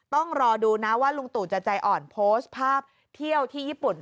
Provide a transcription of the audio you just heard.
ต้องรอดูนะว่าลุงตู่จะใจอ่อนโพสต์ภาพเที่ยวที่ญี่ปุ่น